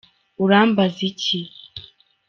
Urambaza iki?